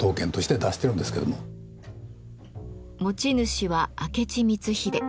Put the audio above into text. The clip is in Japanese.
持ち主は明智光秀。